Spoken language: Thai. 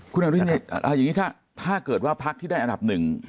คุณอรินอย่างนี้ถ้าเกิดว่าพักที่ได้อันดับหนึ่ง